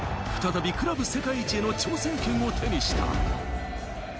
再びクラブ世界一の挑戦権を手にした。